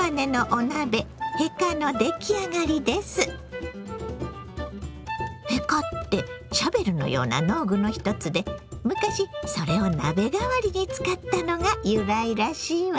「へか」ってシャベルのような農具の一つで昔それを鍋代わり使ったのが由来らしいわよ。